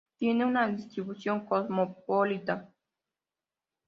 Tiene una distribución cosmopolita.